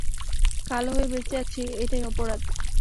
কালো হয়ে বেঁচে আছি, এটাই অপরাধ।